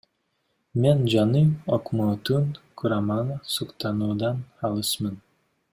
Мен жаңы өкмөттүн курамына суктануудан алысмын.